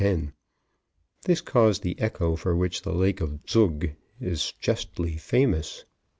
10. This caused the echo for which the Lake of Zug is justly famous.